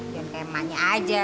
biar kayak emaknya aja